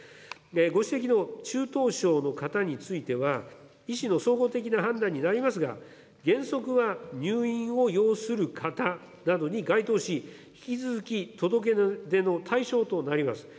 ご指摘の中等症の方については、医師の総合的な判断になりますが、原則は入院を要する方などに該当し、引き続き届け出の対象となります。